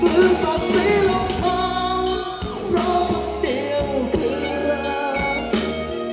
ลืมสดสีล้มเผาเพราะทุกเดียวคือรัก